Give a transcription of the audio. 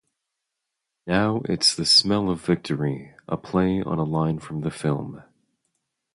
Now it's the smell of victory, a play on a line from the film.